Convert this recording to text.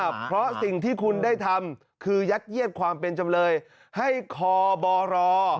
เพราะสิ่งที่คุณได้ทำคือยัดเยียดความเป็นจำเลยให้คอบร